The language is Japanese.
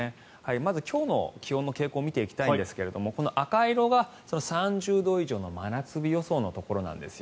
まず今日の気温の傾向を見ていきたいんですけどこの赤色が３０度以上の真夏日予想のところなんです。